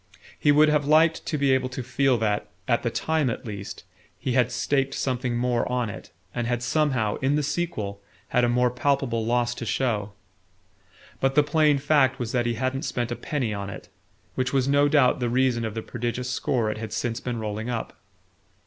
He would have liked to be able to feel that, at the time at least, he had staked something more on it, and had somehow, in the sequel, had a more palpable loss to show. But the plain fact was that he hadn't spent a penny on it; which was no doubt the reason of the prodigious score it had since been rolling up.